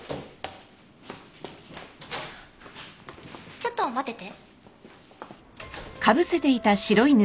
ちょっと待ってて。